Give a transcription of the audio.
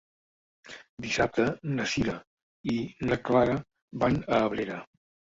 Dissabte na Sira i na Clara van a Abrera.